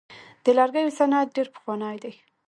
د لرګیو صنعت ډیر پخوانی دی.